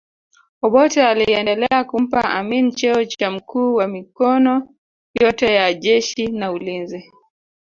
Obote aliendelea kumpa Amin cheo cha mkuu wa mikono yote ya jeshi na ulinzi